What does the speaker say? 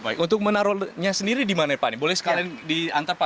baik untuk menaruhnya sendiri di mana pak ini boleh sekalian diantar pak